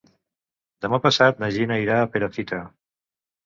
Demà passat na Gina irà a Perafita.